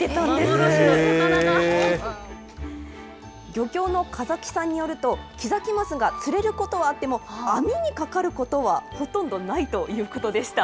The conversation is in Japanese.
漁協の傘木さんによると、キザキマスが釣れることはあっても、網にかかることはほとんどないということでした。